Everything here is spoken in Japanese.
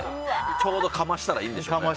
ちょうどかましたらいいんでしょうね。